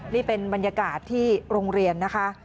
นี่เป็นบรรยากาศที่โรงเรียนนะคะ